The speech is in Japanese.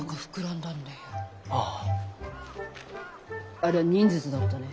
ありゃあ忍術だったね。